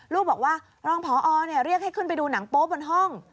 ลูกบอกว่ารองพอเรียกให้ขึ้นไปดูหนังโป๊บนห้อง